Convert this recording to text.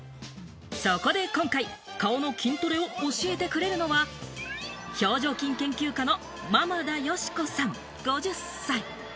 そこで今回、顔の筋トレを教えてくれるのは、表情筋研究家の間々田佳子さん、５０歳。